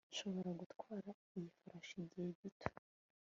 nshobora gutwara iyi farashi igihe gito